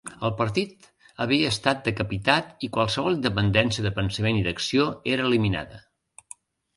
El partit havia estat decapitat i qualsevol independència de pensament i d'acció era eliminada.